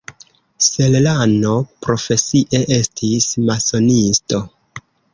Serrano profesie estis masonisto.